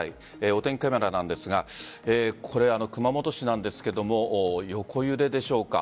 お天気カメラなんですが熊本市なんですが横揺れでしょうか。